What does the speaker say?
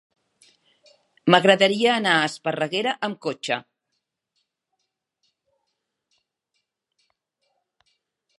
M'agradaria anar a Esparreguera amb cotxe.